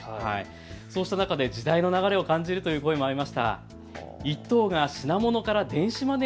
そうした中で時代の流れを感じるという声もありました。